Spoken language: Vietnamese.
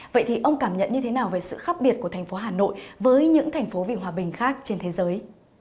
vậy thì ông cảm nhận như thế nào về sự khác biệt của thành phố hà nội với những thành phố vì hòa bình khác trên thế giới